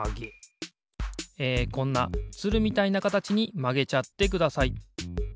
えこんなつるみたいなかたちにまげちゃってください。